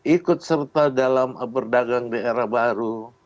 ikut serta dalam berdagang di era baru